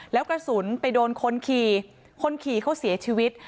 แล้วกระสุนไปโดนคนขี่คนขี่เขาเสียชีวิต